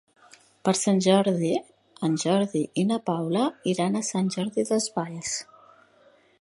Per Sant Jordi en Jordi i na Paula iran a Sant Jordi Desvalls.